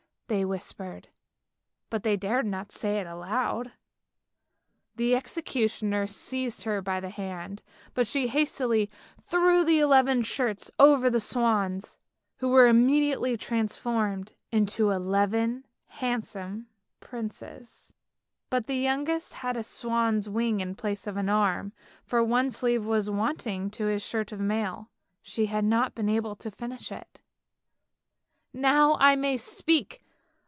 they whispered, but they dared not say it aloud. The executioner seized her by the hand, but she hastily threw the eleven shirts over the swans, who were immediately transformed to eleven handsome princes; but the youngest had a swan's wing in place of an arm, for one sleeve was wanting to his shirt of mail, she had not been able to finish it. " Now I may speak!